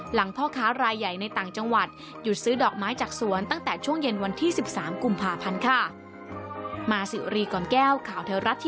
พ่อค้ารายใหญ่ในต่างจังหวัดหยุดซื้อดอกไม้จากสวนตั้งแต่ช่วงเย็นวันที่๑๓กุมภาพันธ์ค่ะ